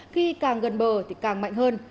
khi càng gần bờ thì càng mạnh hơn